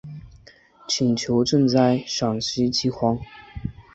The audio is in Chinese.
请求赈灾陕西饥荒。